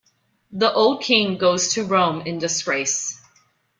The old king goes to Rome in disgrace.